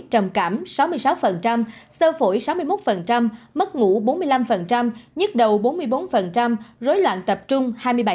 trầm cảm sáu mươi sáu sơ phổi sáu mươi một mất ngủ bốn mươi năm nhức đầu bốn mươi bốn rối loạn tập trung hai mươi bảy